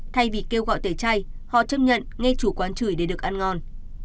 thay vì kêu gọi tẩy chay họ chấp nhận ngay chủ quán chửi để được ăn ngon